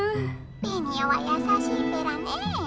「ベニオはやさしいペラねえ」。